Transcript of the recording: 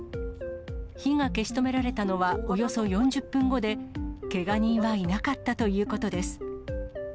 火が消し止められたのはおよそ４０分後で、けが人はいなかったということです。